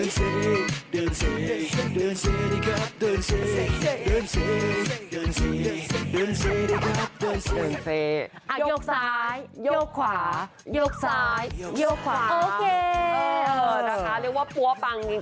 นะคะเรียกว่าปัวปังอย่างนี้ค่ะ